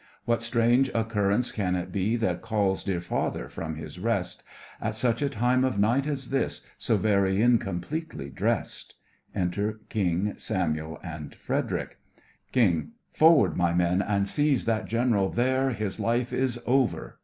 What strange occurrence can it be that calls dear father from his rest At such a time of night as this, so very incompletely dressed? (Enter KING, SAMUEL, and FREDERIC) KING: Forward, my men, and seize that General there! His life is over.